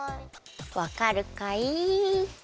わかるかい？